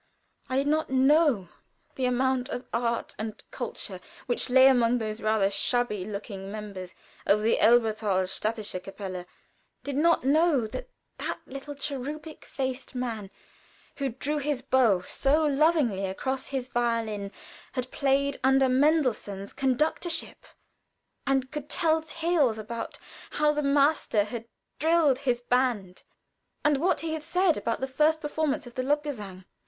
I did not know the amount of art and culture which lay among those rather shabby looking members of the Elberthal städtische Kapelle did not know that that little cherubic faced man, who drew his bow so lovingly across his violin, had played under Mendelssohn's conductorship, and could tell tales about how the master had drilled his band, and what he had said about the first performance of the "Lobgesang."